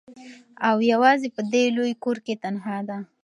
او یوازي په دې لوی کور کي تنهاده